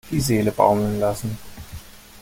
Die Seele baumeln lassen.